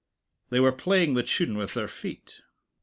They were playing the tune with their feet.